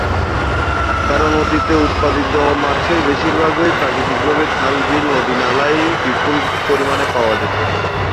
কারণ অতীতে উৎপাদিত মাছের বেশিরভাগই প্রাকৃতিকভাবে খাল-বিল, নদী-নালায় বিপুল পরিমাণে পাওয়া যেতো।